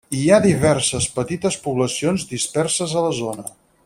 Hi ha diverses petites poblacions disperses a la zona.